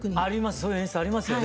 そういう演出ありますよね。